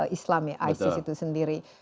islam isis itu sendiri